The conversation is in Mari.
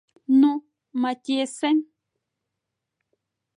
Ну, Маттиэсен!